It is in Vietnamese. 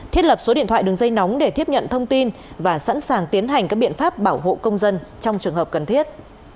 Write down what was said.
thiết lập số điện thoại đường dây nóng để tiếp nhận thông tin và sẵn sàng tiến hành các biện pháp bảo hộ công dân trong trường hợp cần thiết